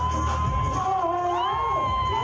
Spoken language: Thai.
ดีมาก